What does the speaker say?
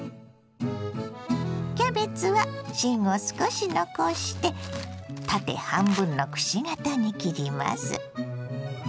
キャベツは芯を少し残して縦半分のくし形に切ります。